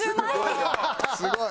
すごい！